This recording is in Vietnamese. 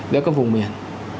giữa các vùng miền